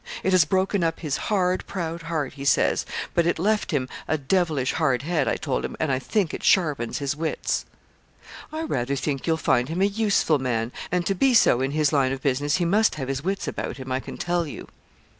'It has broken up his hard, proud heart,' he says; 'but it left him a devilish hard head, I told him, and I think it sharpens his wits.' 'I rather think you'll find him a useful man; and to be so in his line of business he must have his wits about him, I can tell you.'